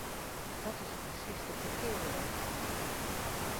Dat is precies de verkeerde weg.